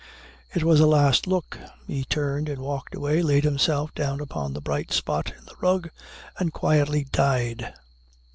It was a last look. He turned and walked away, laid himself down upon the bright spot in the rug, and quietly died.